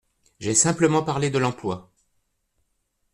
J’ai simplement parlé de l’emploi.